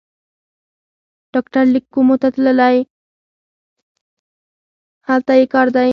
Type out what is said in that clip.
ډاکټر لېک کومو ته تللی، هلته یې کار دی.